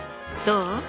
どう？